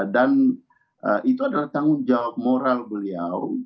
dan itu adalah tanggung jawab moral beliau